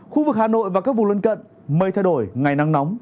khu vực hà nội và các vùng lân cận mây thay đổi ngày nắng nóng